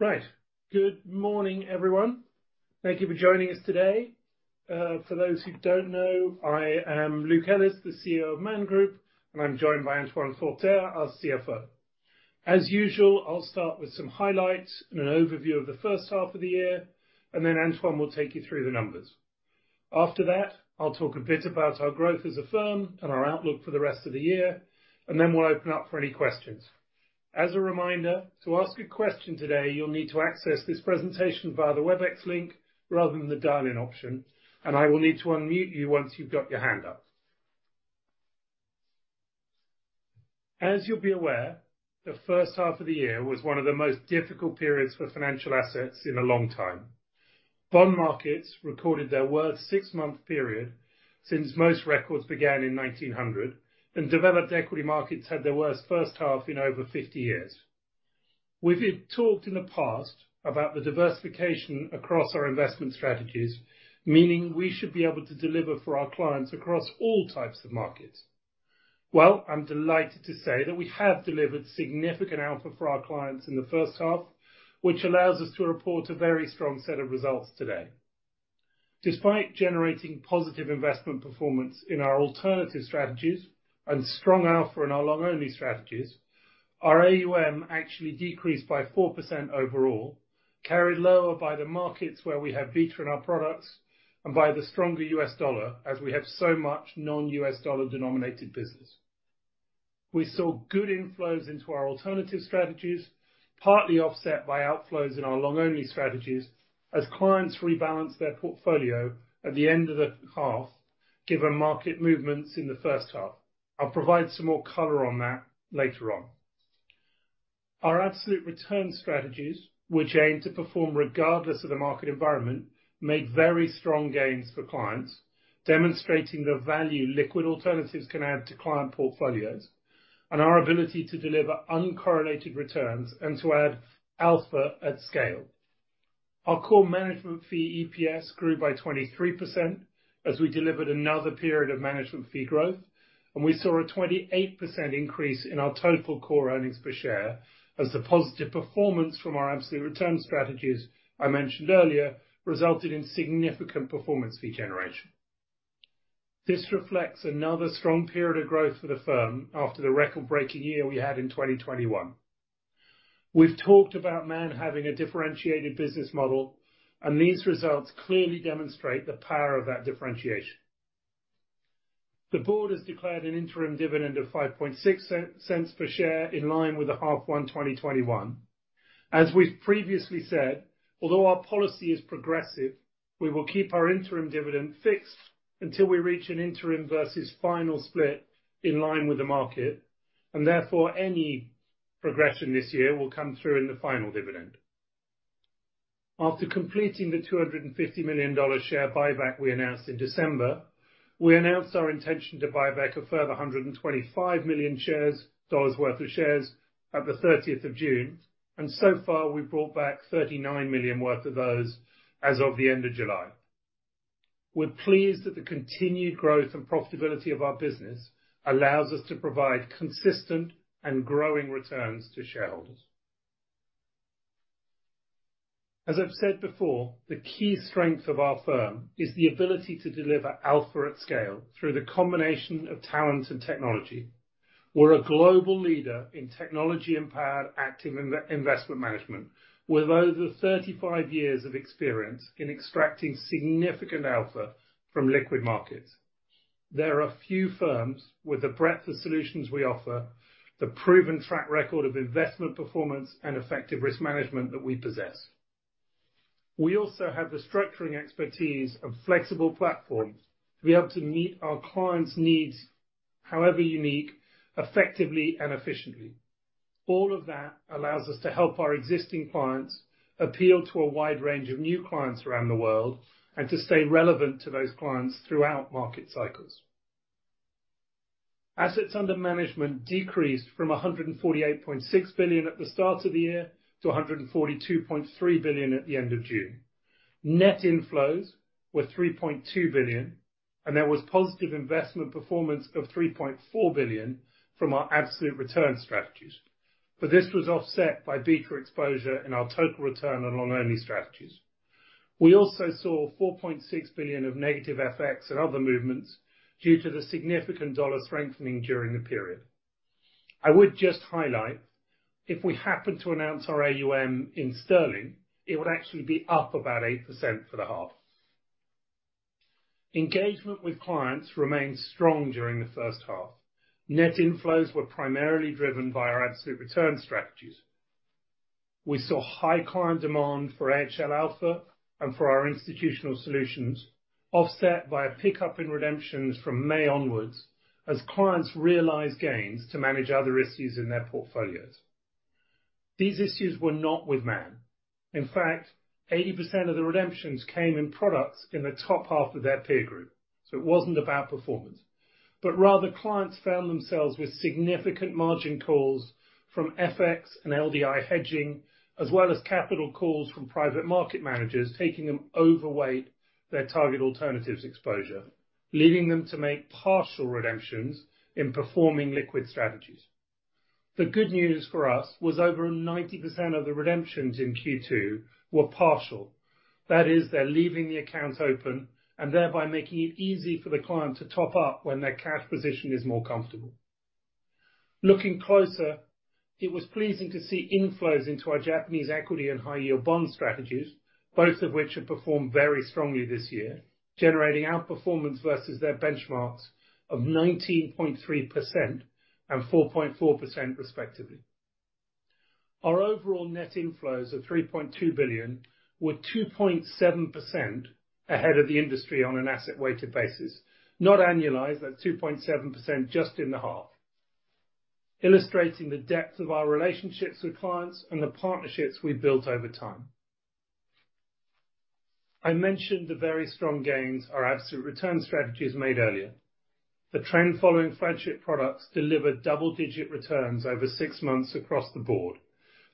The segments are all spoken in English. Right. Good morning, everyone. Thank you for joining us today. For those who don't know, I am Luke Ellis, the CEO of Man Group, and I'm joined by Antoine Forterre, our CFO. As usual, I'll start with some highlights and an overview of the first half of the year, and then Antoine will take you through the numbers. After that, I'll talk a bit about our growth as a firm and our outlook for the rest of the year, and then we'll open up for any questions. As a reminder, to ask a question today, you'll need to access this presentation via the Webex link rather than the dial-in option, and I will need to unmute you once you've got your hand up. As you'll be aware, the first half of the year was one of the most difficult periods for financial assets in a long time. Bond markets recorded their worst six-month period since most records began in 1900, and developed equity markets had their worst first half in over 50 years. We've talked in the past about the diversification across our investment strategies, meaning we should be able to deliver for our clients across all types of markets. Well, I'm delighted to say that we have delivered significant output for our clients in the first half, which allows us to report a very strong set of results today. Despite generating positive investment performance in our alternative strategies and strong alpha in our long-only strategies, our AUM actually decreased by 4% overall, carried lower by the markets where we have beta in our products and by the stronger U.S. dollar, as we have so much non-U.S. dollar-denominated business. We saw good inflows into our alternative strategies, partly offset by outflows in our long-only strategies as clients rebalanced their portfolio at the end of the half, given market movements in the first half. I'll provide some more color on that later on. Our absolute return strategies, which aim to perform regardless of the market environment, made very strong gains for clients, demonstrating the value liquid alternatives can add to client portfolios and our ability to deliver uncorrelated returns and to add alpha at scale. Our core management fee, EPS, grew by 23% as we delivered another period of management fee growth, and we saw a 28% increase in our total core earnings per share as the positive performance from our absolute return strategies I mentioned earlier resulted in significant performance fee generation. This reflects another strong period of growth for the firm after the record-breaking year we had in 2021. We've talked about Man having a differentiated business model, and these results clearly demonstrate the power of that differentiation. The board has declared an interim dividend of 0.056 per share in line with the H1 2021. As we've previously said, although our policy is progressive, we will keep our interim dividend fixed until we reach an interim versus final split in line with the market, and therefore any progression this year will come through in the final dividend. After completing the $250 million share buyback we announced in December, we announced our intention to buy back a further $125 million worth of shares as of the 30th of June, and so far, we've brought back $39 million worth of those as of the end of July. We're pleased that the continued growth and profitability of our business allows us to provide consistent and growing returns to shareholders. As I've said before, the key strength of our firm is the ability to deliver alpha at scale through the combination of talent and technology. We're a global leader in technology-empowered active investment management with over 35 years of experience in extracting significant alpha from liquid markets. There are few firms with the breadth of solutions we offer, the proven track record of investment performance and effective risk management that we possess. We also have the structuring expertise of flexible platforms to be able to meet our clients' needs however unique, effectively and efficiently. All of that allows us to help our existing clients appeal to a wide range of new clients around the world and to stay relevant to those clients throughout market cycles. Assets under management decreased from $148.6 billion at the start of the year to $142.3 billion at the end of June. Net inflows were $3.2 billion, and there was positive investment performance of $3.4 billion from our absolute return strategies. This was offset by beta exposure in our total return and long-only strategies. We also saw $4.6 billion of negative FX and other movements due to the significant dollar strengthening during the period. I would just highlight, if we happen to announce our AUM in sterling, it would actually be up about 8% for the half. Engagement with clients remained strong during the first half. Net inflows were primarily driven by our absolute return strategies. We saw high client demand for AHL Alpha and for our institutional solutions, offset by a pickup in redemptions from May onwards as clients realized gains to manage other issues in their portfolios. These issues were not with Man. In fact, 80% of the redemptions came in products in the top half of their peer group, so it wasn't about performance, but rather clients found themselves with significant margin calls from FX and LDI hedging, as well as capital calls from private market managers taking them overweight their target alternatives exposure, leaving them to make partial redemptions in performing liquid strategies. The good news for us was over 90% of the redemptions in Q2 were partial. That is, they're leaving the account open, and thereby making it easy for the client to top up when their cash position is more comfortable. Looking closer, it was pleasing to see inflows into our Japanese equity and high yield bond strategies, both of which have performed very strongly this year, generating outperformance versus their benchmarks of 19.3% and 4.4% respectively. Our overall net inflows of $3.2 billion were 2.7% ahead of the industry on an asset-weighted basis. Not annualized, that's 2.7% just in the half. Illustrating the depth of our relationships with clients and the partnerships we've built over time. I mentioned the very strong gains our absolute return strategies made earlier. The trend following flagship products delivered double-digit returns over six months across the board,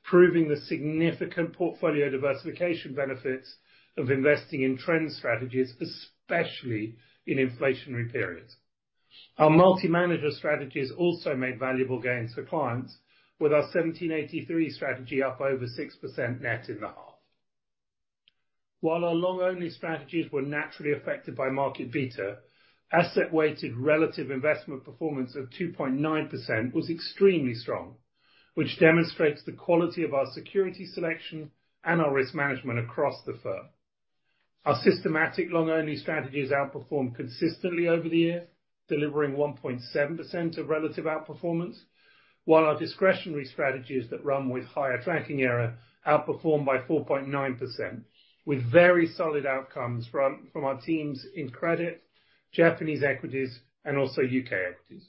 proving the significant portfolio diversification benefits of investing in trend strategies, especially in inflationary periods. Our multi-manager strategies also made valuable gains for clients, with our 1783 strategy up over 6% net in the half. While our long-only strategies were naturally affected by market beta, asset-weighted relative investment performance of 2.9% was extremely strong, which demonstrates the quality of our security selection and our risk management across the firm. Our systematic long-only strategies outperformed consistently over the year, delivering 1.7% of relative outperformance, while our discretionary strategies that run with higher tracking error outperformed by 4.9%, with very solid outcomes from our teams in credit, Japanese equities, and also U.K. equities.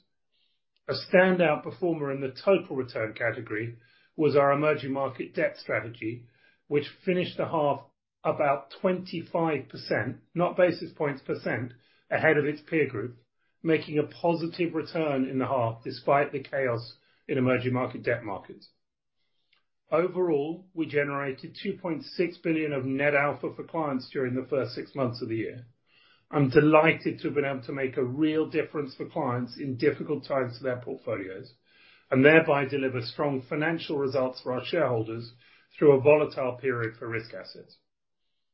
A standout performer in the total return category was our emerging market debt strategy, which finished the half about 25%, not basis points percent, ahead of its peer group, making a positive return in the half despite the chaos in emerging market debt markets. Overall, we generated 2.6 billion of net alpha for clients during the first six months of the year. I'm delighted to have been able to make a real difference for clients in difficult times for their portfolios, and thereby deliver strong financial results for our shareholders through a volatile period for risk assets.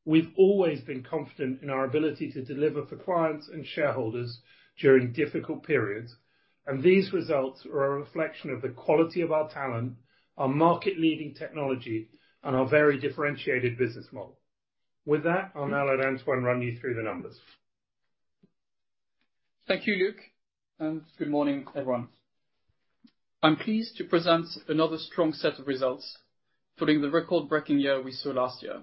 We've always been confident in our ability to deliver for clients and shareholders during difficult periods, and these results are a reflection of the quality of our talent, our market-leading technology, and our very differentiated business model. With that, I'll now let Antoine run you through the numbers. Thank you, Luke, and good morning, everyone. I'm pleased to present another strong set of results, following the record-breaking year we saw last year.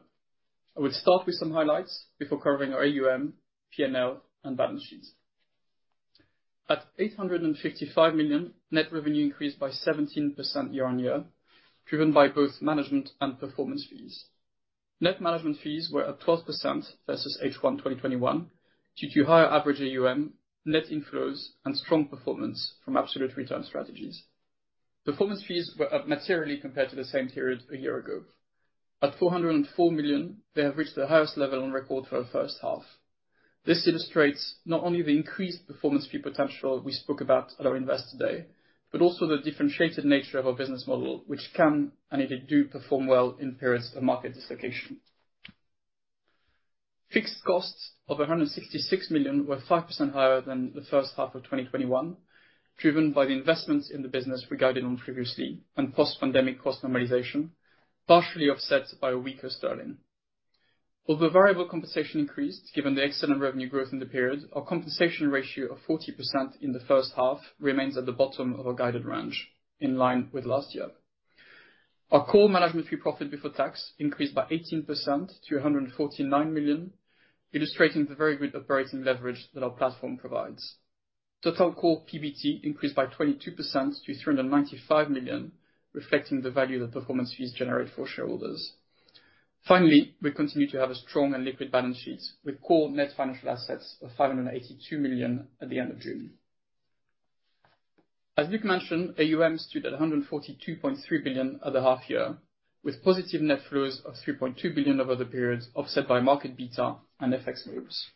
I will start with some highlights before covering our AUM, P&L, and balance sheet. At 855 million, net revenue increased by 17% year-over-year, driven by both management and performance fees. Net management fees were up 12% versus H1 2021 due to higher average AUM, net inflows, and strong performance from absolute return strategies. Performance fees were up materially compared to the same period a year ago. At 404 million, they have reached the highest level on record for the first half. This illustrates not only the increased performance fee potential we spoke about at our investor day, but also the differentiated nature of our business model, which can, and it did, do perform well in periods of market dislocation. Fixed costs of 166 million were 5% higher than the first half of 2021, driven by the investments in the business we guided on previously and post-pandemic cost normalization, partially offset by a weaker sterling. Although variable compensation increased, given the excellent revenue growth in the period, our compensation ratio of 40% in the first half remains at the bottom of our guided range, in line with last year. Our core management fee profit before tax increased by 18% to 149 million, illustrating the very good operating leverage that our platform provides. Total core PBT increased by 22% to 395 million, reflecting the value that performance fees generate for shareholders. Finally, we continue to have a strong and liquid balance sheet with core net financial assets of 582 million at the end of June. As Luke mentioned, AUM stood at $142.3 billion at the half year, with positive net flows of $3.2 billion over the periods, offset by market beta and FX moves.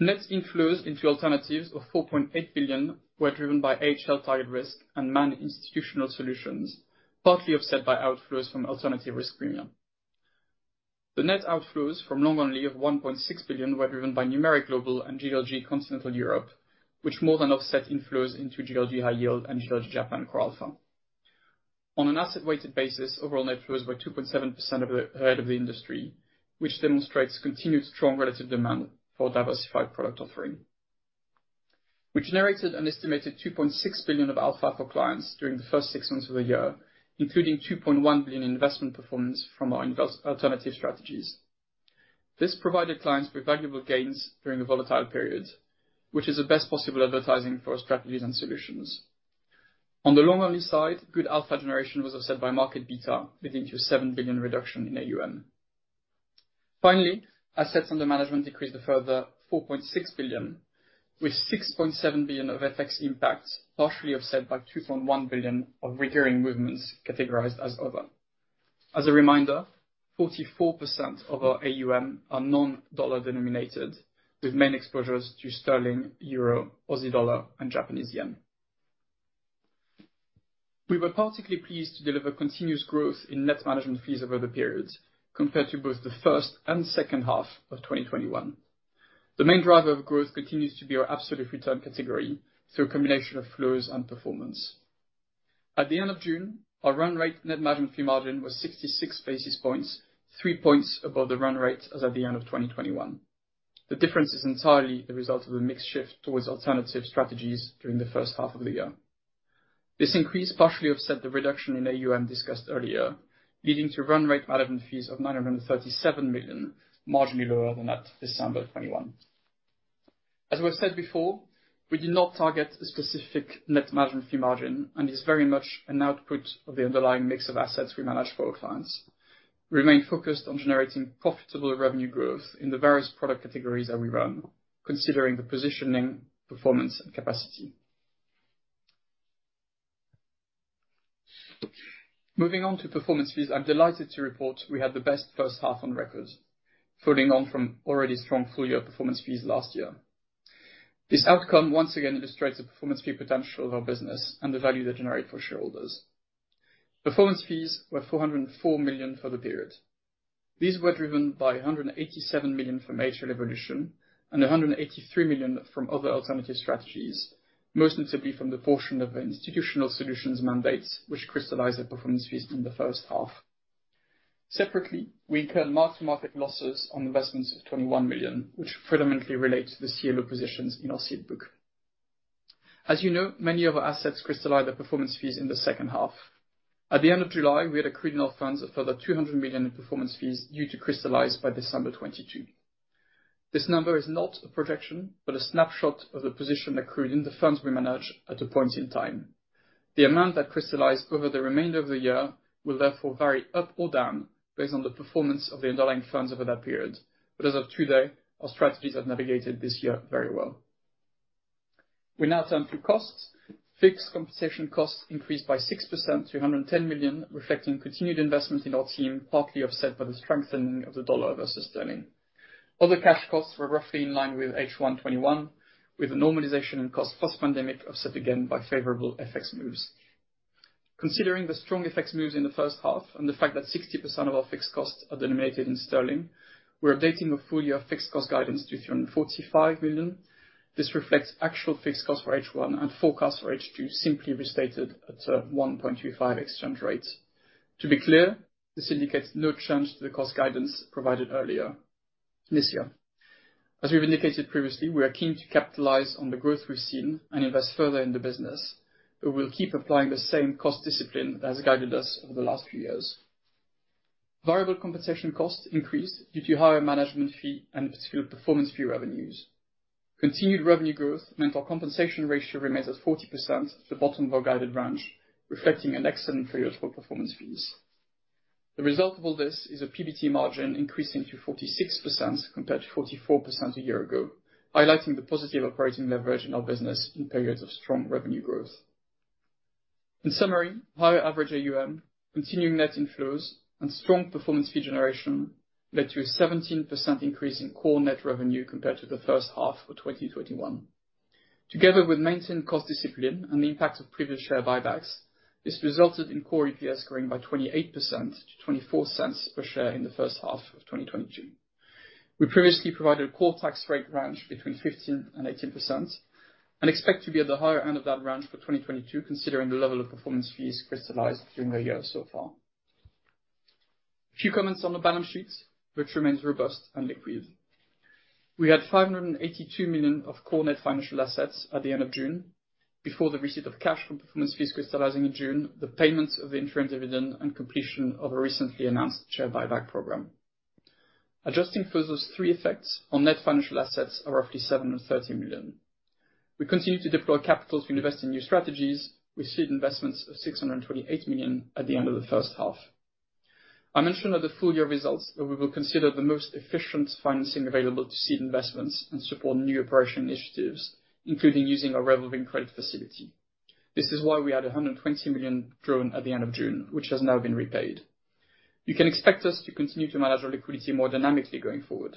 Net inflows into alternatives of $4.8 billion were driven by AHL TargetRisk and Man Institutional Solutions, partly offset by outflows from alternative risk premium. The net outflows from long-only of $1.6 billion were driven by Numeric Global and GLG Continental European, which more than offset inflows into GLG High Yield and GLG Japan CoreAlpha. On an asset-weighted basis, overall net flows were 2.7% ahead of the industry, which demonstrates continued strong relative demand for diversified product offering. We generated an estimated $2.6 billion of alpha for clients during the first six months of the year, including $2.1 billion in investment performance from our alternative strategies. This provided clients with valuable gains during a volatile period, which is the best possible advertising for our strategies and solutions. On the long-only side, good alpha generation was offset by market beta, leading to a $7 billion reduction in AUM. Finally, assets under management decreased a further $4.6 billion, with $6.7 billion of FX impact, partially offset by $2.1 billion of recurring movements categorized as other. As a reminder, 44% of our AUM are non-dollar denominated, with main exposures to sterling, euro, Aussie dollar, and Japanese yen. We were particularly pleased to deliver continuous growth in net management fees over the periods compared to both the first and second half of 2021. The main driver of growth continues to be our absolute return category through a combination of flows and performance. At the end of June, our run rate net management fee margin was 66 basis points, 3 points above the run rate as at the end of 2021. The difference is entirely the result of a mix shift towards alternative strategies during the first half of the year. This increase partially offset the reduction in AUM discussed earlier, leading to run rate management fees of 937 million, marginally lower than at December 2021. As we have said before, we did not target a specific net management fee margin and is very much an output of the underlying mix of assets we manage for our clients. Remain focused on generating profitable revenue growth in the various product categories that we run, considering the positioning, performance and capacity. Moving on to performance fees, I'm delighted to report we had the best first half on record, following on from already strong full-year performance fees last year. This outcome once again illustrates the performance fee potential of our business and the value they generate for shareholders. Performance fees were 404 million for the period. These were driven by 187 million from AHL Evolution and 183 million from other alternative strategies, most notably from the portion of Institutional Solutions mandates which crystallize the performance fees in the first half. Separately, we incur mark-to-market losses on investments of 21 million, which fundamentally relate to the CLO positions in our seed book. As you know, many of our assets crystallize their performance fees in the second half. At the end of July, we had accrued in our funds a further 200 million in performance fees due to crystallize by December 2022. This number is not a projection, but a snapshot of the position accrued in the funds we manage at a point in time. The amount that crystallized over the remainder of the year will therefore vary up or down based on the performance of the underlying funds over that period. As of today, our strategies have navigated this year very well. We now turn to costs. Fixed compensation costs increased by 6% to 110 million, reflecting continued investment in our team, partly offset by the strengthening of the US dollar versus sterling. Other cash costs were roughly in line with H1 2021, with a normalization in cost post-pandemic offset again by favorable FX moves. Considering the strong FX moves in the first half and the fact that 60% of our fixed costs are denominated in sterling, we're updating the full year fixed cost guidance to 345 million. This reflects actual fixed cost for H1 and forecasts for H2 simply restated at a 1.25 exchange rate. To be clear, this indicates no change to the cost guidance provided earlier this year. We've indicated previously, we are keen to capitalize on the growth we've seen and invest further in the business. We will keep applying the same cost discipline that has guided us over the last few years. Variable compensation costs increased due to higher management fee and performance fee revenues. Continued revenue growth meant our compensation ratio remains at 40% at the bottom of our guided range, reflecting an excellent period for performance fees. The result of all this is a PBT margin increasing to 46% compared to 44% a year ago, highlighting the positive operating leverage in our business in periods of strong revenue growth. In summary, higher average AUM, continuing net inflows, and strong performance fee generation led to a 17% increase in core net revenue compared to the first half of 2021. Together with maintained cost discipline and the impact of previous share buybacks, this resulted in core EPS growing by 28% to $0.24 per share in the first half of 2022. We previously provided a core tax rate range between 15% and 18% and expect to be at the higher end of that range for 2022, considering the level of performance fees crystallized during the year so far. A few comments on the balance sheet, which remains robust and liquid. We had 582 million of core net financial assets at the end of June, before the receipt of cash from performance fees crystallizing in June, the payments of the interim dividend and completion of a recently announced share buyback program. Adjusting for those three effects on net financial assets of roughly 730 million. We continue to deploy capital to invest in new strategies. We seed investments of 628 million at the end of the first half. I mentioned at the full-year results that we will consider the most efficient financing available to seed investments and support new operational initiatives, including using our revolving credit facility. This is why we had 120 million drawn at the end of June, which has now been repaid. You can expect us to continue to manage our liquidity more dynamically going forward.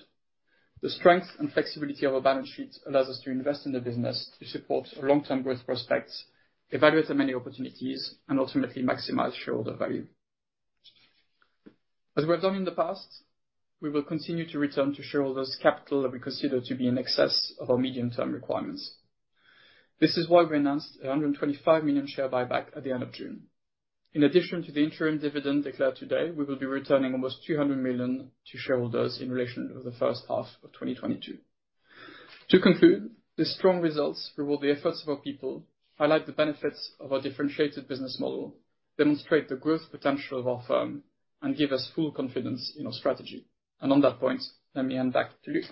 The strength and flexibility of our balance sheet allows us to invest in the business to support our long-term growth prospects, evaluate the many opportunities and ultimately maximize shareholder value. As we have done in the past, we will continue to return to shareholders capital that we consider to be in excess of our medium-term requirements. This is why we announced 125 million share buyback at the end of June. In addition to the interim dividend declared today, we will be returning almost 200 million to shareholders in relation to the first half of 2022. To conclude, the strong results reward the efforts of our people, highlight the benefits of our differentiated business model, demonstrate the growth potential of our firm, and give us full confidence in our strategy. On that point, let me hand back to Luke.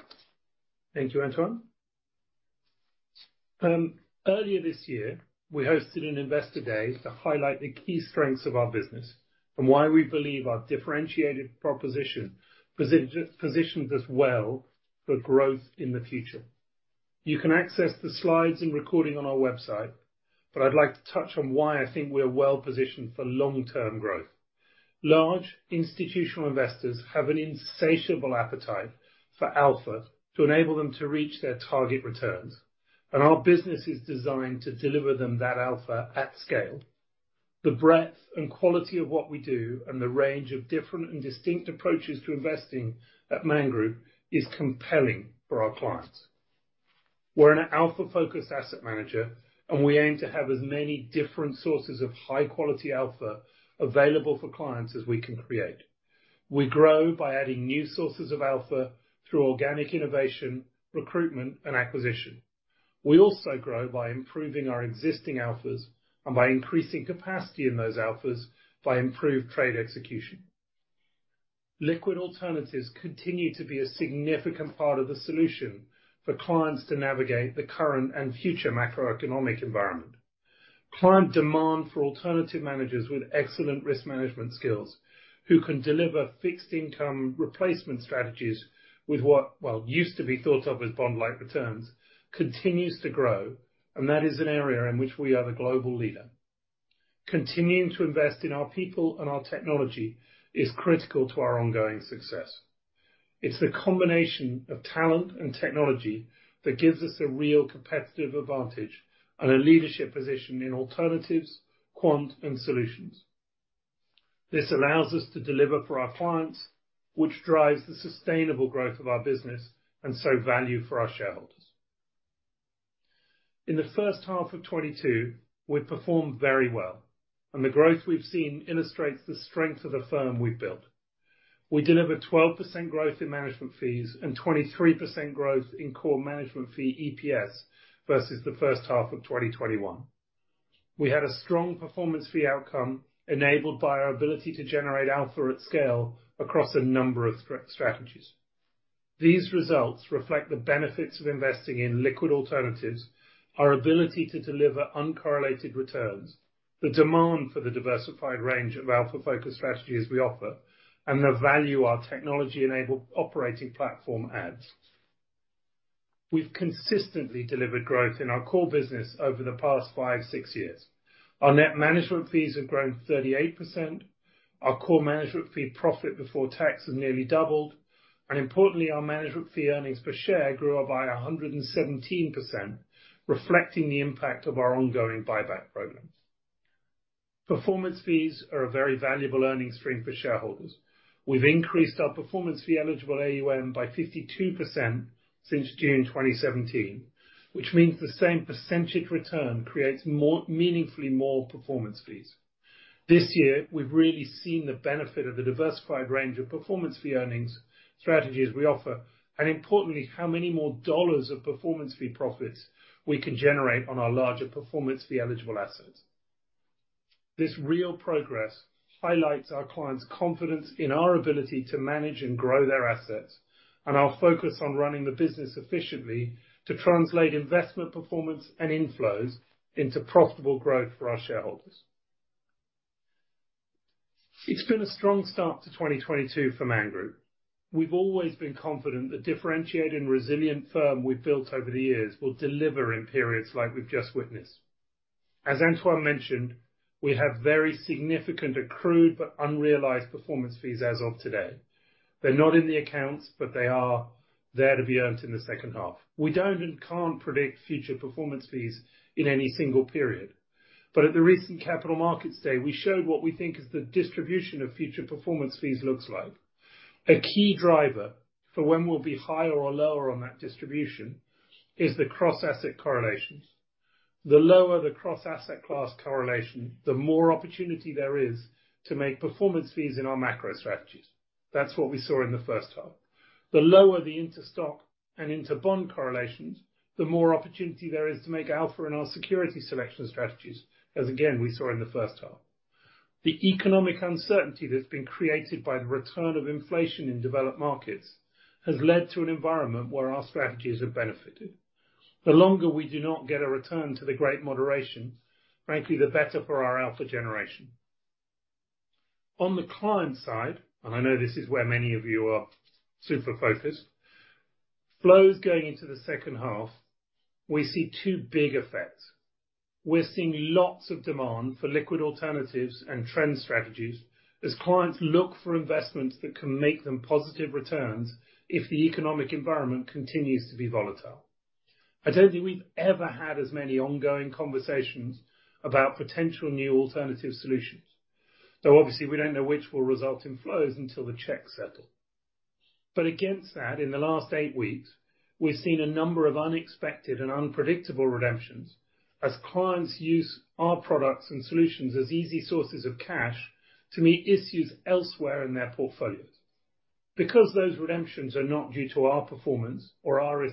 Thank you, Antoine. Earlier this year, we hosted an investor day to highlight the key strengths of our business and why we believe our differentiated proposition positions us well for growth in the future. You can access the slides and recording on our website, but I'd like to touch on why I think we are well-positioned for long-term growth. Large institutional investors have an insatiable appetite for alpha to enable them to reach their target returns, and our business is designed to deliver them that alpha at scale. The breadth and quality of what we do, and the range of different and distinct approaches to investing at Man Group is compelling for our clients. We're an alpha-focused asset manager, and we aim to have as many different sources of high-quality alpha available for clients as we can create. We grow by adding new sources of alpha through organic innovation, recruitment, and acquisition. We also grow by improving our existing alphas and by increasing capacity in those alphas by improved trade execution. Liquid alternatives continue to be a significant part of the solution for clients to navigate the current and future macroeconomic environment. Client demand for alternative managers with excellent risk management skills who can deliver fixed income replacement strategies with what, well, used to be thought of as bond-like returns continues to grow, and that is an area in which we are the global leader. Continuing to invest in our people and our technology is critical to our ongoing success. It's the combination of talent and technology that gives us a real competitive advantage and a leadership position in alternatives, quant, and solutions. This allows us to deliver for our clients, which drives the sustainable growth of our business and so value for our shareholders. In the first half of 2022, we've performed very well, and the growth we've seen illustrates the strength of the firm we've built. We delivered 12% growth in management fees and 23% growth in core management fee EPS versus the first half of 2021. We had a strong performance fee outcome enabled by our ability to generate alpha at scale across a number of strategies. These results reflect the benefits of investing in liquid alternatives, our ability to deliver uncorrelated returns, the demand for the diversified range of alpha-focused strategies we offer, and the value our technology-enabled operating platform adds. We've consistently delivered growth in our core business over the past five, six years. Our net management fees have grown 38%. Our core management fee profit before tax has nearly doubled. Importantly, our management fee earnings per share grew by 117%, reflecting the impact of our ongoing buyback programs. Performance fees are a very valuable earnings stream for shareholders. We've increased our performance fee eligible AUM by 52% since June 2017, which means the same percentage return creates more, meaningfully more performance fees. This year, we've really seen the benefit of the diversified range of performance fee earnings strategies we offer, and importantly, how many more dollars of performance fee profits we can generate on our larger performance fee eligible assets. This real progress highlights our clients' confidence in our ability to manage and grow their assets, and our focus on running the business efficiently to translate investment performance and inflows into profitable growth for our shareholders. It's been a strong start to 2022 for Man Group. We've always been confident the differentiated and resilient firm we've built over the years will deliver in periods like we've just witnessed. As Antoine mentioned, we have very significant accrued but unrealized performance fees as of today. They're not in the accounts, but they are there to be earned in the second half. We don't and can't predict future performance fees in any single period. At the recent Capital Markets Day, we showed what we think is the distribution of future performance fees looks like. A key driver for when we'll be higher or lower on that distribution is the cross-asset correlations. The lower the cross-asset class correlation, the more opportunity there is to make performance fees in our macro strategies. That's what we saw in the first half. The lower the interstock and interbond correlations, the more opportunity there is to make alpha in our security selection strategies, as again, we saw in the first half. The economic uncertainty that's been created by the return of inflation in developed markets has led to an environment where our strategies have benefited. The longer we do not get a return to the great moderation, frankly, the better for our alpha generation. On the client side, and I know this is where many of you are super focused, flows going into the second half, we see two big effects. We're seeing lots of demand for liquid alternatives and trend strategies as clients look for investments that can make them positive returns if the economic environment continues to be volatile. I don't think we've ever had as many ongoing conversations about potential new alternative solutions, though obviously, we don't know which will result in flows until the checks settle. Against that, in the last 8 weeks, we've seen a number of unexpected and unpredictable redemptions as clients use our products and solutions as easy sources of cash to meet issues elsewhere in their portfolios. Because those redemptions are not due to our performance or other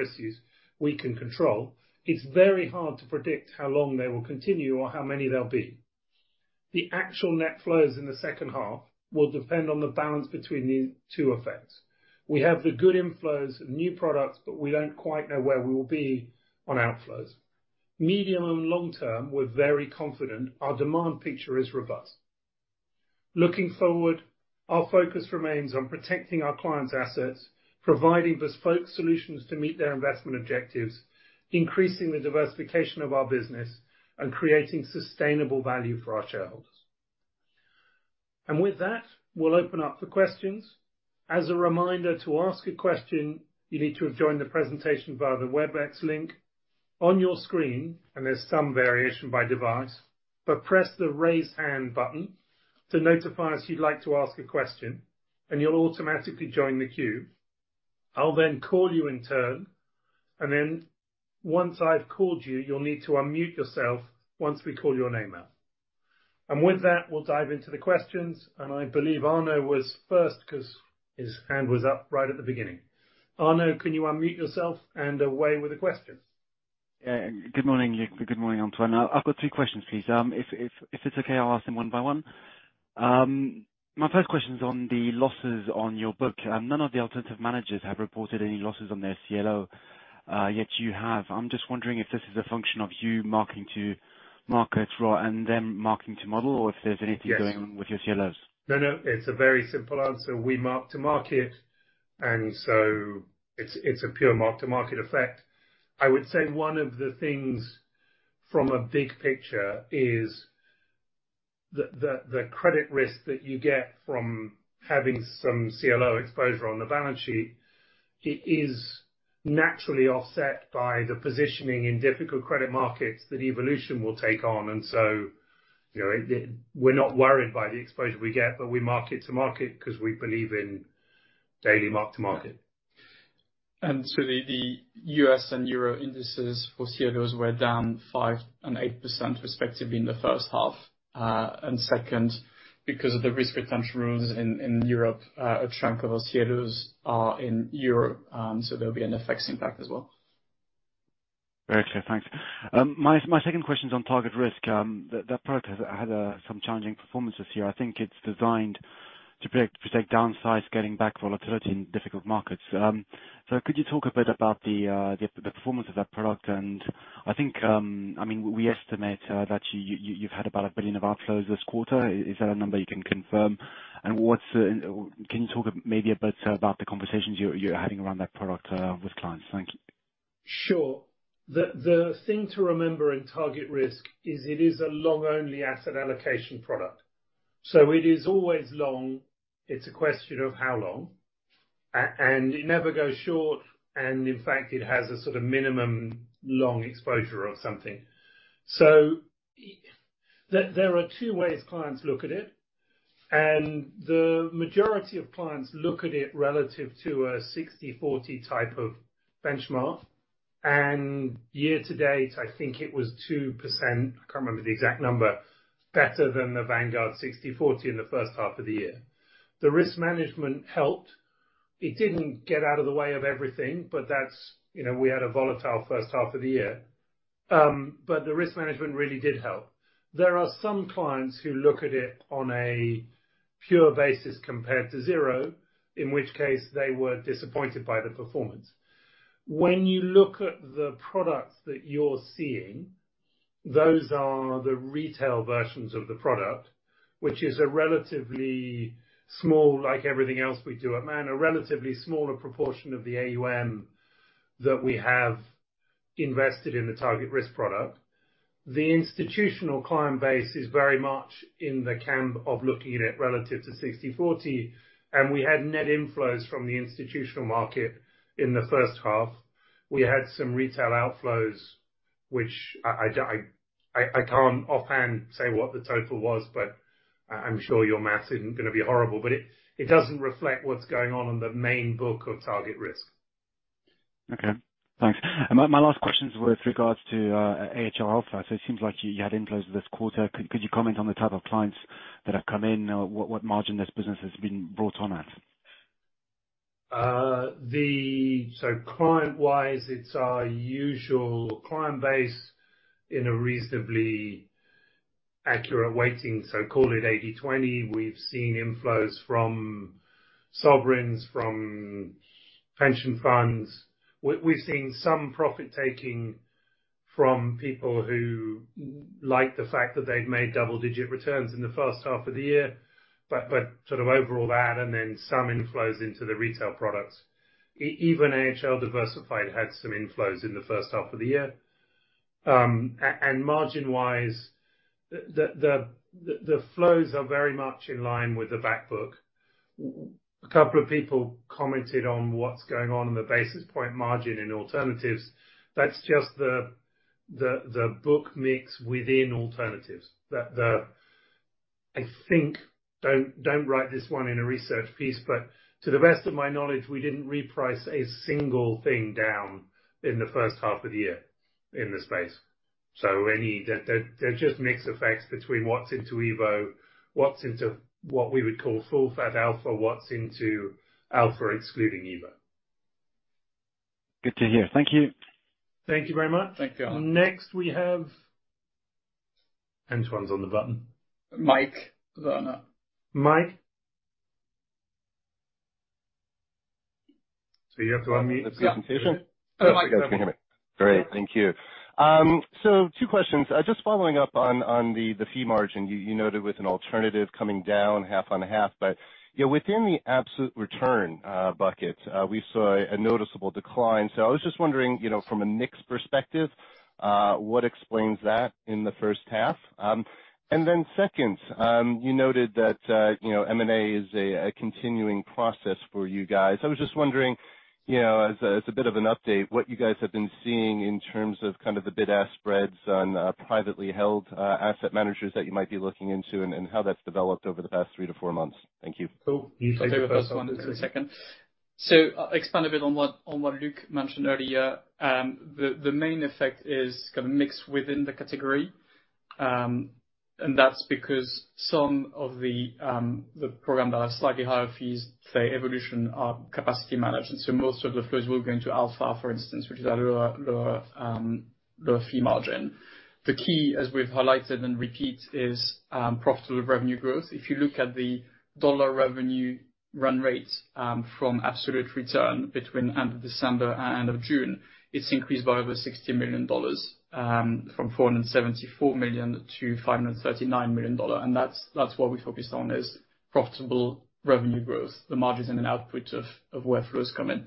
issues we can control, it's very hard to predict how long they will continue or how many there'll be. The actual net flows in the second half will depend on the balance between these two effects. We have the good inflows and new products, but we don't quite know where we will be on outflows. Medium and long term, we're very confident our demand picture is robust. Looking forward, our focus remains on protecting our clients' assets, providing bespoke solutions to meet their investment objectives, increasing the diversification of our business, and creating sustainable value for our shareholders. With that, we'll open up the questions. As a reminder, to ask a question you need to have joined the presentation via the Webex link. On your screen, and there's some variation by device, but press the Raise Hand button to notify us you'd like to ask a question, and you'll automatically join the queue. I'll then call you in turn, and then once I've called you'll need to unmute yourself once we call your name out. With that, we'll dive into the questions, and I believe Arnaud was first 'cause his hand was up right at the beginning. Arnaud, can you unmute yourself? Away with the questions. Yeah. Good morning, Luke. Good morning, Antoine. I've got three questions, please. If it's okay, I'll ask them one by one. My first question's on the losses on your book. None of the alternative managers have reported any losses on their CLO, yet you have. I'm just wondering if this is a function of you marking to market, right, and them marking to model or if there's anything- Yes. going on with your CLOs. No, no, it's a very simple answer. We mark to market, and so it's a pure mark-to-market effect. I would say one of the things from a big picture is the credit risk that you get from having some CLO exposure on the balance sheet. It is naturally offset by the positioning in difficult credit markets that Evolution will take on. You know, we're not worried by the exposure we get, but we market to market 'cause we believe in daily mark to market. The U.S. and euro indices for CLOs were down 5% and 8% respectively in the first half. Second, because of the risk retention rules in Europe, a chunk of CLOs are in Europe, so there'll be an FX impact as well. Very clear. Thanks. My second question's on TargetRisk. That product has had some challenging performance this year. I think it's designed to protect against downside, getting back volatility in difficult markets. Could you talk a bit about the performance of that product? I think, I mean, we estimate that you've had about $1 billion of outflows this quarter. Is that a number you can confirm? Can you talk maybe a bit about the conversations you're having around that product with clients? Thank you. Sure. The thing to remember in target risk is it is a long-only asset allocation product. It is always long. It's a question of how long. It never goes short, and in fact, it has a sort of minimum long exposure on something. There are two ways clients look at it. The majority of clients look at it relative to a 60/40 type of benchmark. Year to date, I think it was 2%, I can't remember the exact number, better than the Vanguard 60/40 in the first half of the year. The risk management helped. It didn't get out of the way of everything, but that's. You know, we had a volatile first half of the year. The risk management really did help. There are some clients who look at it on a pure basis compared to zero, in which case, they were disappointed by the performance. When you look at the products that you're seeing, those are the retail versions of the product, which is a relatively small, like everything else we do at Man, a relatively smaller proportion of the AUM that we have invested in the target risk product. The institutional client base is very much in the camp of looking at it relative to 60/40, and we had net inflows from the institutional market in the first half. We had some retail outflows, which I can't offhand say what the total was, but I'm sure your math isn't gonna be horrible. It doesn't reflect what's going on on the main book of target risk. Okay. Thanks. My last question was with regards to AHL Alpha. It seems like you had inflows this quarter. Could you comment on the type of clients that have come in or what margin this business has been brought on at? Client-wise, it's our usual client base in a reasonably accurate weighting, so call it 80/20. We've seen inflows from sovereigns, from pension funds. We've seen some profit-taking from people who like the fact that they've made double-digit returns in the first half of the year. Sort of overall that and then some inflows into the retail products. Even AHL Diversified had some inflows in the first half of the year. And margin-wise, the flows are very much in line with the back book. A couple of people commented on what's going on in the basis point margin in alternatives. That's just the book mix within alternatives. I think, don't write this one in a research piece, but to the best of my knowledge, we didn't reprice a single thing down in the first half of the year in the space. Any, they're just mix effects between what's into EVO, what's into what we would call full fat alpha, what's into alpha excluding EVO. Good to hear. Thank you. Thank you very much. Thank you, Arno. Next, we have Antoine's on the button. Mike Werner. Mike? You have to unmute. the presentation. Oh, I can hear me. Great. Thank you. Two questions. Just following up on the fee margin. You noted with an alternative coming down half on half. But you know, within the absolute return bucket, we saw a noticeable decline. I was just wondering, you know, from a mix perspective, what explains that in the first half? Then second, you noted that you know, M&A is a continuing process for you guys. I was just wondering, you know, as a bit of an update, what you guys have been seeing in terms of kind of the bid-ask spreads on privately held asset managers that you might be looking into and how that's developed over the past three to four months. Thank you. Cool. You take the first one, and to the second. I'll expand a bit on what Luke mentioned earlier. The main effect is kind of mix within the category. And that's because some of the program that have slightly higher fees, say, evolution, are capacity managed, and so most of the flows will go into alpha, for instance, which is a lower fee margin. The key, as we've highlighted and repeat, is profitable revenue growth. If you look at the dollar revenue run rate from absolute return between end of December and end of June, it's increased by over $60 million, from $474 million to $539 million. That's what we've focused on, is profitable revenue growth, the margins and an output of where flows come in.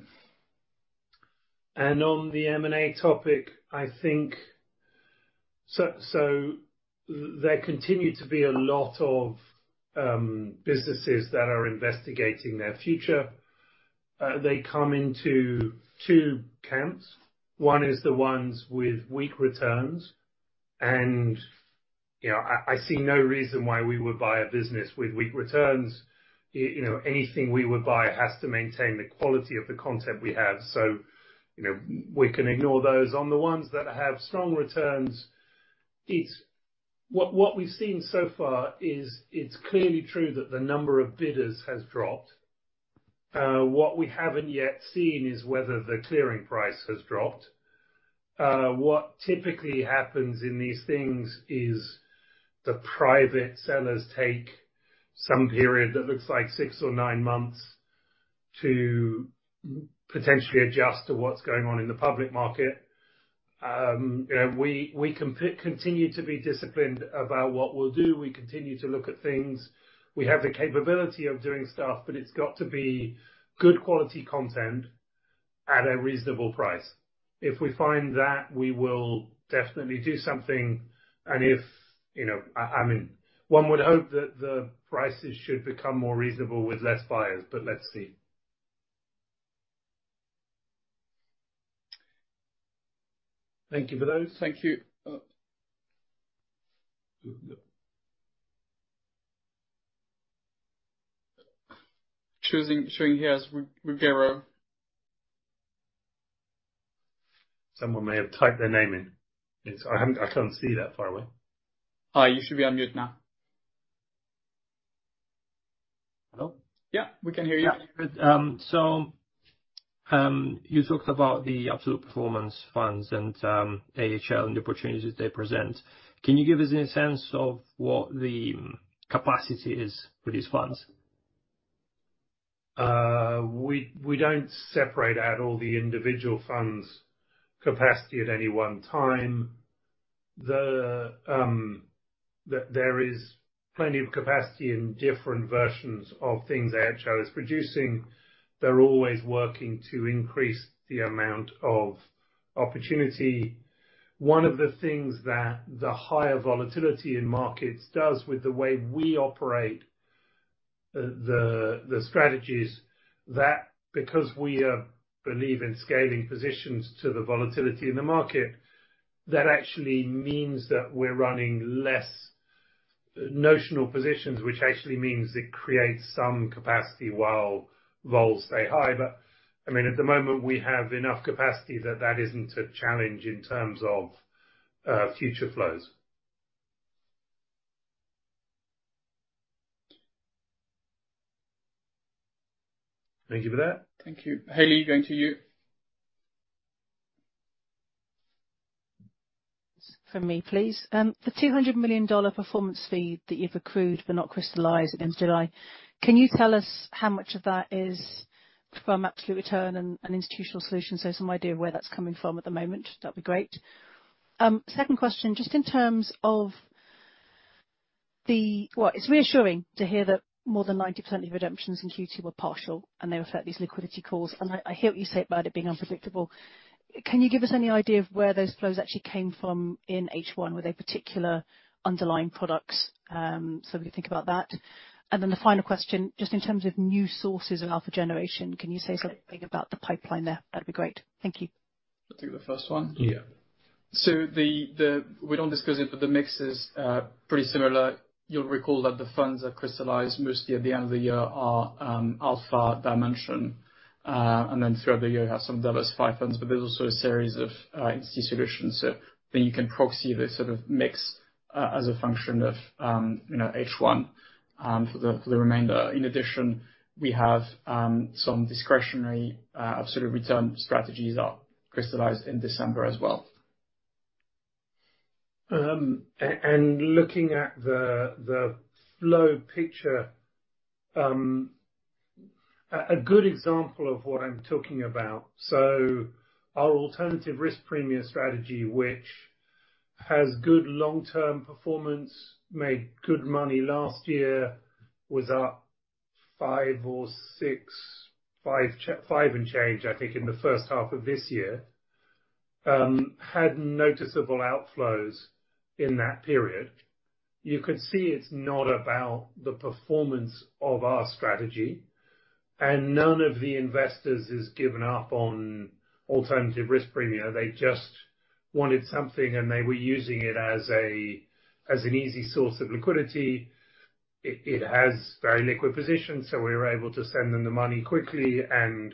On the M&A topic, I think so, there continue to be a lot of businesses that are investigating their future. They come into two camps. One is the ones with weak returns. You know, I see no reason why we would buy a business with weak returns. You know, anything we would buy has to maintain the quality of the content we have. You know, we can ignore those. On the ones that have strong returns, what we've seen so far is it's clearly true that the number of bidders has dropped. What we haven't yet seen is whether the clearing price has dropped. What typically happens in these things is the private sellers take some period that looks like 6 or 9 months to potentially adjust to what's going on in the public market. You know, we continue to be disciplined about what we'll do. We continue to look at things. We have the capability of doing stuff, but it's got to be good quality content at a reasonable price. If we find that, we will definitely do something. If, you know, I mean, one would hope that the prices should become more reasonable with less buyers, but let's see. Thank you for those. Thank you. Yep. Showing here as Ruggero. Someone may have typed their name in. I can't see that far away. You should be on mute now. Hello? Yeah, we can hear you. Yeah, good. You talked about the absolute performance funds and AHL and the opportunities they present. Can you give us any sense of what the capacity is for these funds? We don't separate out all the individual funds' capacity at any one time. There is plenty of capacity in different versions of things AHL is producing. They're always working to increase the amount of opportunity. One of the things that the higher volatility in markets does with the way we operate, the strategies that because we believe in scaling positions to the volatility in the market, that actually means that we're running less notional positions, which actually means it creates some capacity while vols stay high. I mean, at the moment, we have enough capacity that isn't a challenge in terms of future flows. Thank you for that. Thank you. Hubert Lam, going to you. From me, please. The $200 million performance fee that you've accrued but not crystallized at the end of July, can you tell us how much of that is from absolute return and institutional solutions? Some idea of where that's coming from at the moment. That'd be great. Second question, well, it's reassuring to hear that more than 90% of redemptions in Q2 were partial, and they reflect these liquidity calls. I hear what you say about it being unpredictable. Can you give us any idea of where those flows actually came from in H1? Were they particular underlying products? If you think about that. The final question, just in terms of new sources of alpha generation, can you say something about the pipeline there? That'd be great. Thank you. I'll take the first one. Yeah. We don't discuss it, but the mix is pretty similar. You'll recall that the funds that crystallized mostly at the end of the year are AHL Dimension, and then throughout the year have some AHL Diversified funds, but there's also a series of institutional solutions. You can proxy this sort of mix as a function of you know H1 for the remainder. In addition, we have some discretionary absolute return strategies are crystallized in December as well. Looking at the flow picture, a good example of what I'm talking about, our alternative risk premium strategy, which has good long-term performance, made good money last year, was up 5%-6%, 5% and change, I think, in the first half of this year, had noticeable outflows in that period. You could see it's not about the performance of our strategy and none of the investors has given up on alternative risk premium. They just wanted something, and they were using it as an easy source of liquidity. It has very liquid positions, so we were able to send them the money quickly, and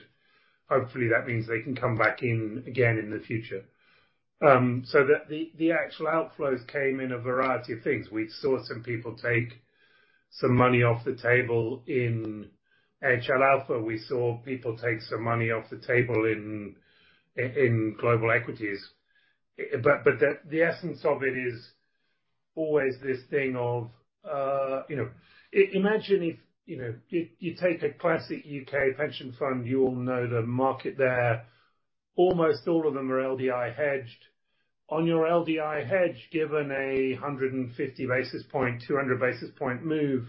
hopefully, that means they can come back in again in the future. The actual outflows came in a variety of things. We saw some people take some money off the table in AHL Alpha. We saw people take some money off the table in global equities. The essence of it is always this thing of, you know, imagine if, you know, you take a classic U.K. pension fund, you all know the market there, almost all of them are LDI hedged. On your LDI hedge, given a 150 basis point, 200 basis point move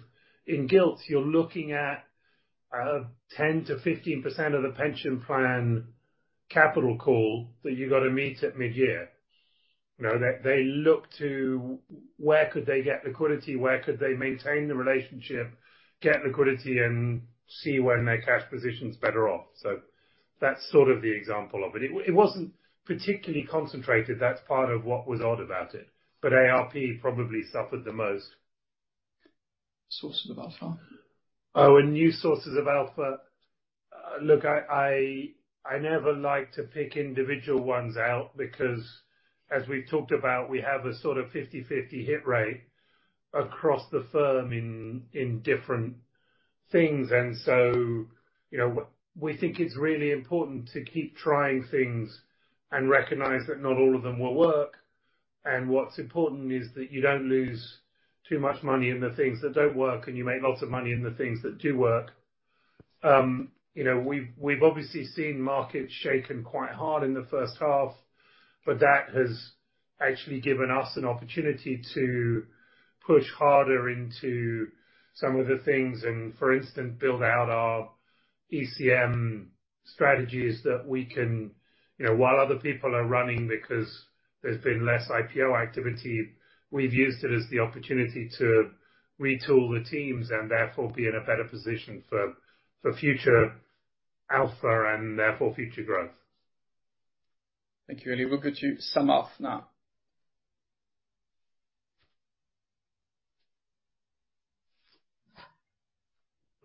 in gilts, you're looking at 10%-15% of the pension plan capital call that you gotta meet at mid-year. You know, they look to where could they get liquidity, where could they maintain the relationship, get liquidity, and see when their cash position's better off. That's sort of the example of it. It wasn't particularly concentrated. That's part of what was odd about it. ARP probably suffered the most. Sources of alpha. Oh, new sources of alpha. Look, I never like to pick individual ones out because as we've talked about, we have a sort of 50/50 hit rate across the firm in different things. You know, we think it's really important to keep trying things and recognize that not all of them will work. What's important is that you don't lose too much money in the things that don't work, and you make lots of money in the things that do work. You know, we've obviously seen markets shaken quite hard in the first half, but that has actually given us an opportunity to push harder into some of the things and, for instance, build out our ECM strategies that we can. You know, while other people are running because there's been less IPO activity, we've used it as the opportunity to retool the teams and therefore be in a better position for future alpha and therefore future growth. Thank you. Samarth, we'll get you to sum up now.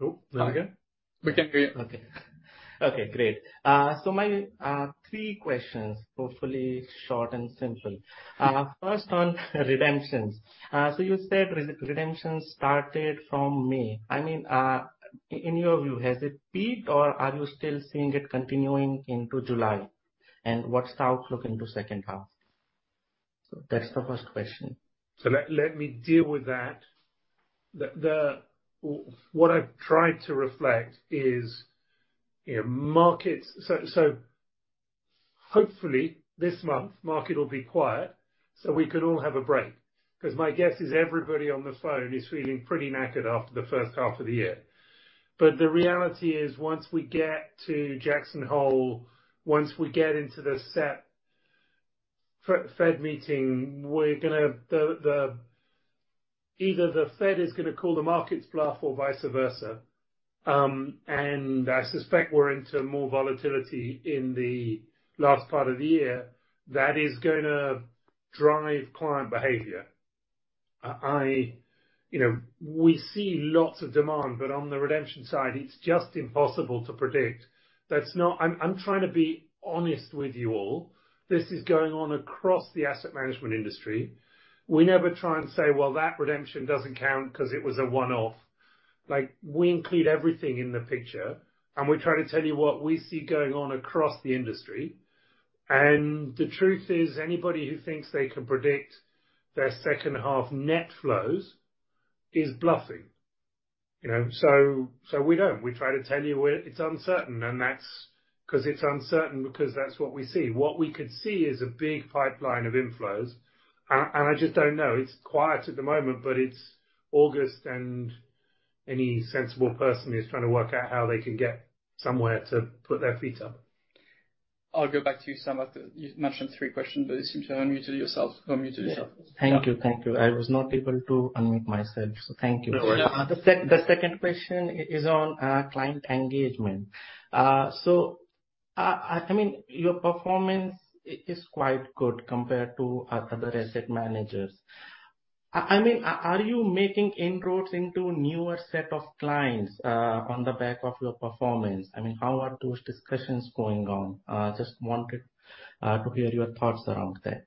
Oh, there we go. We can hear you. Okay. Okay, great. My three questions, hopefully short and simple. First on redemptions. You said redemptions started from May. I mean, in your view, has it peaked or are you still seeing it continuing into July? What's the outlook into second half? That's the first question. Let me deal with that. What I've tried to reflect is, you know, markets. Hopefully, this month, market will be quiet, so we can all have a break. 'Cause my guess is everybody on the phone is feeling pretty knackered after the first half of the year. The reality is, once we get to Jackson Hole, once we get into the SEP Fed meeting, we're gonna. Either the Fed is gonna call the market's bluff or vice versa. I suspect we're into more volatility in the last part of the year. That is gonna drive client behavior. You know, we see lots of demand, but on the redemption side, it's just impossible to predict. I'm trying to be honest with you all. This is going on across the asset management industry. We never try and say, "Well, that redemption doesn't count 'cause it was a one-off." Like, we include everything in the picture, and we try to tell you what we see going on across the industry. The truth is, anybody who thinks they can predict their second half net flows is bluffing. You know? We don't. We try to tell you where it's uncertain, and that's 'cause it's uncertain because that's what we see. What we could see is a big pipeline of inflows. I just don't know. It's quiet at the moment, but it's August, and any sensible person is trying to work out how they can get somewhere to put their feet up. I'll go back to you, Samarth. You mentioned three questions, but you seem to unmute yourself. Thank you. Thank you. I was not able to unmute myself, so thank you. No worries. The second question is on client engagement. I mean, your performance is quite good compared to other asset managers. I mean, are you making inroads into newer set of clients on the back of your performance? I mean, how are those discussions going on? Just wanted to hear your thoughts around that.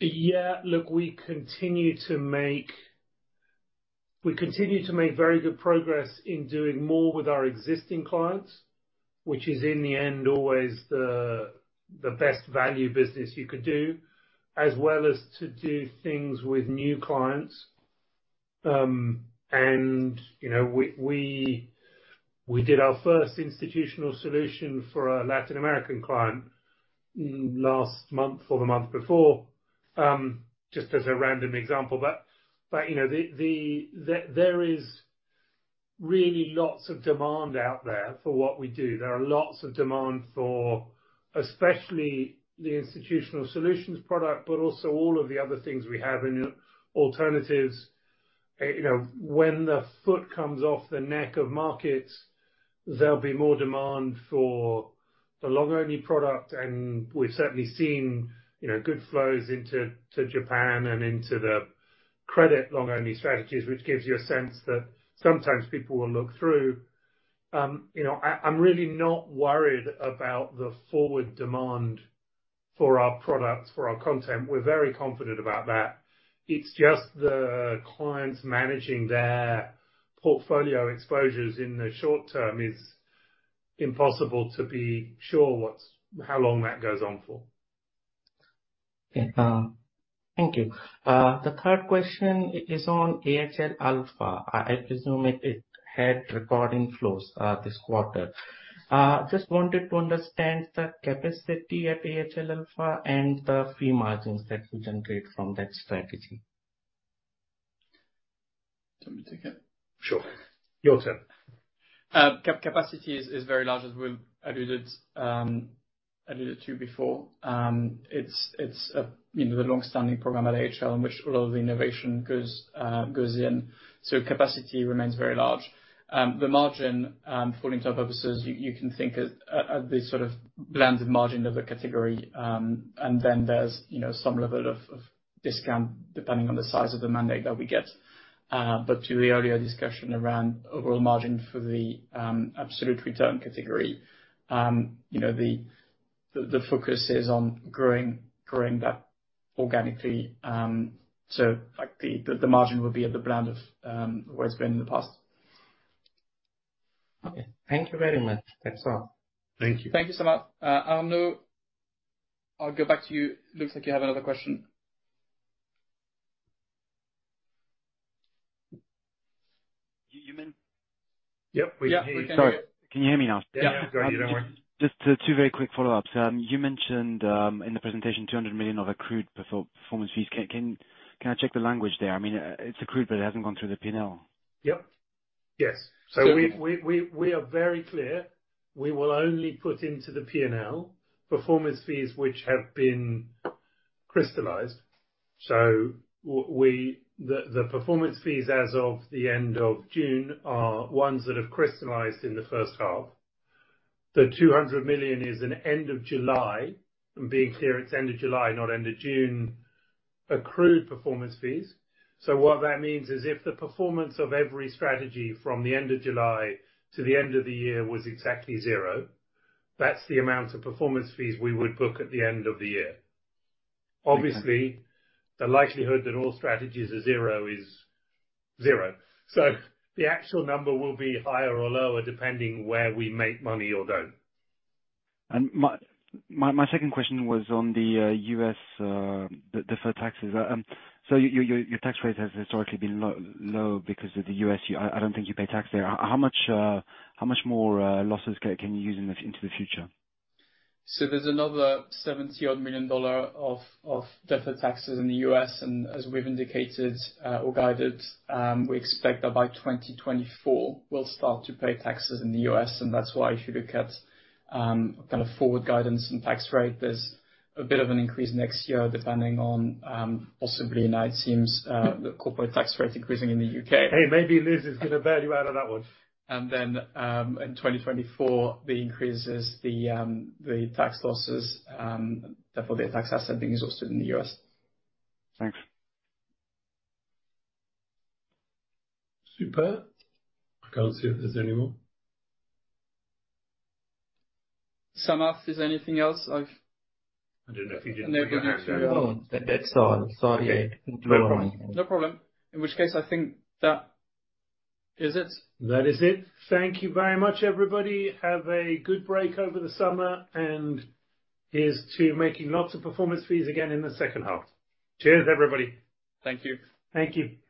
Yeah. Look, we continue to make very good progress in doing more with our existing clients, which is in the end always the best value business you could do, as well as to do things with new clients. You know, we did our first institutional solution for a Latin American client last month or the month before, just as a random example. You know, there is really lots of demand out there for what we do. There is lots of demand for especially the institutional solutions product, but also all of the other things we have in alternatives. You know, when the foot comes off the neck of markets, there'll be more demand for the long only product, and we've certainly seen, you know, good flows into to Japan and into the credit long only strategies, which gives you a sense that sometimes people will look through. You know, I'm really not worried about the forward demand for our products, for our content. We're very confident about that. It's just the clients managing their portfolio exposures in the short term is impossible to be sure what's how long that goes on for. Okay, thank you. The third question is on AHL Alpha. I presume it had record inflows this quarter. Just wanted to understand the capacity at AHL Alpha and the fee margins that you generate from that strategy. Do you want me to take it? Sure. Your turn. Capacity is very large, as we alluded to before. It's a, you know, the long-standing program at AHL, in which a lot of the innovation goes in. Capacity remains very large. The margin, for all intents and purposes you can think of at the sort of blended margin of a category, and then there's, you know, some level of discount depending on the size of the mandate that we get. To the earlier discussion around overall margin for the absolute return category, you know, the focus is on growing that organically. Like the margin will be at the blend of where it's been in the past. Okay. Thank you very much. That's all. Thank you. Thank you, Samarth. Arnaud, I'll go back to you. Looks like you have another question. You may. Yep. Yeah. Sorry. Can you hear me now? Yeah. Go ahead, Arnaud. Just two very quick follow-ups. You mentioned in the presentation 200 million of accrued performance fees. Can I check the language there? I mean, it's accrued, but it hasn't gone through the P&L. Yes. We are very clear, we will only put into the P&L performance fees which have been crystallized. The performance fees as of the end of June are ones that have crystallized in the first half. The 200 million is at the end of July, I'm being clear, it's the end of July, not end of June, accrued performance fees. What that means is if the performance of every strategy from the end of July to the end of the year was exactly zero, that's the amount of performance fees we would book at the end of the year. Okay. Obviously, the likelihood that all strategies are zero is zero. The actual number will be higher or lower depending where we make money or don't. My second question was on the U.S. deferred taxes. Your tax rate has historically been low because of the U.S. I don't think you pay tax there. How much more losses can you use in the U.S. into the future? There's another $70-odd million of deferred taxes in the U.S. As we've indicated or guided, we expect that by 2024 we'll start to pay taxes in the U.S. That's why if you look at kind of forward guidance and tax rate, there's a bit of an increase next year depending on possibly now it seems the corporate tax rate increasing in the U.K. Hey, maybe Liz is gonna bail you out on that one. In 2024, the increase is the tax losses, therefore the tax asset being exhausted in the U.S. Thanks. Super. I can't see if there's any more. Samarth, is there anything else I've- I don't know if you didn't hear. Never gone through. No, that's all. Sorry. No problem. In which case I think that is it. That is it. Thank you very much, everybody. Have a good break over the summer, and here's to making lots of performance fees again in the second half. Cheers, everybody. Thank you. Thank you.